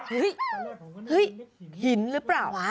เห้ยหินหรือเปล่า